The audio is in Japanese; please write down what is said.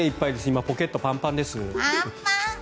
今、ポケットパンパンです。